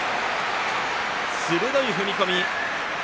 鋭い踏み込み。